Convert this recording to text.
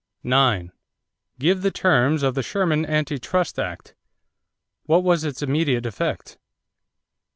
9. Give the terms of the Sherman Anti Trust Act. What was its immediate effect?